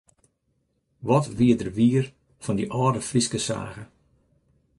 Wat wie der wier fan dy âlde Fryske sage.